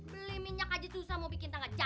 beli minyak aja susah mau bikin tangga jalan